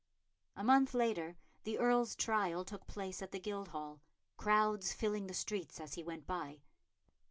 A month later the Earl's trial took place at the Guildhall, crowds filling the streets as he went by.